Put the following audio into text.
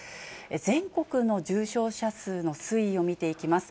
全国の重症者数の推移を見ていきます。